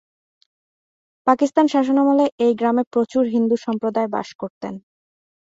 পাকিস্তান শাসনামলে এই গ্রামে প্রচুর হিন্দু সম্প্রদায় বাস করতেন।